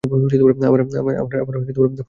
আমার ফোনটা দরকার।